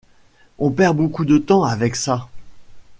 On perd beaucoup de temps avec ça.